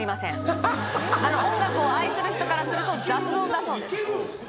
音楽を愛する人からすると雑音だそうですいけるんですか？